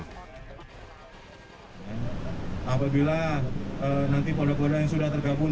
apabila nanti polda polda yang sudah tergabung